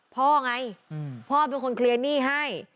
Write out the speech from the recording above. พ่อไงพ่อเป็นคนเคลียร์หนี้ให้